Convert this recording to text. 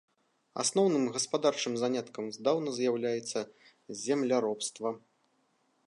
Асноўным гаспадарчым заняткам здаўна з'яўляецца земляробства.